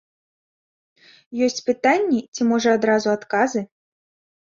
Ёсць пытанні ці, можа, адразу адказы?